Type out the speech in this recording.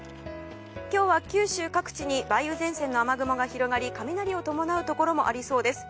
今日は九州各地に梅雨前線の雨雲が広がり雷を伴うところもありそうです。